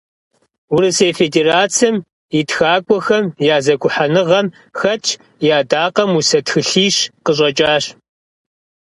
Урысей Федерацэм и ТхакӀуэхэм я зэгухьэныгъэм хэтщ, и Ӏэдакъэм усэ тхылъищ къыщӀэкӀащ.